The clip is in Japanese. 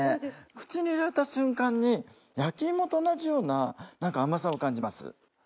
口に入れた瞬間に焼き芋と同じような甘さを感じます。